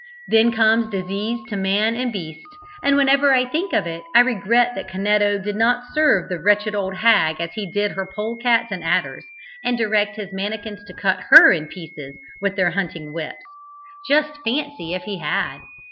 Then comes disease to man and beast, and whenever I think of it I regret that Canetto did not serve the wretched old hag as he did her polecats and adders, and direct his mannikins to cut her in pieces with their hunting whips. Just fancy if he had!